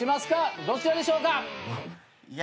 どちらでしょうか？